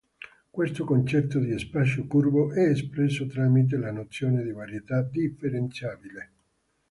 Questo concetto di "spazio curvo" è espresso tramite la nozione di varietà differenziabile.